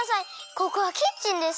ここはキッチンです。